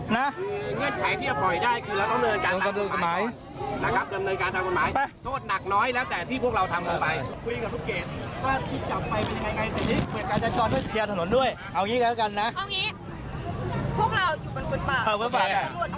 เงื่อนไขที่จะปล่อยได้คือเราต้องเงินการทางคุณหมาย